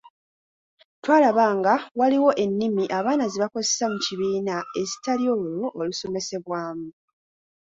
Twalaba nga waliwo ennimi abaana ze bakozesa mu kibiina ezitali olwo olusomesesbwamu.